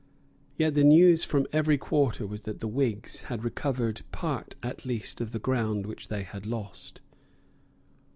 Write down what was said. Yet the news from every quarter was that the Whigs had recovered part at least of the ground which they had lost.